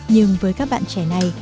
nhưng với các bạn trẻ này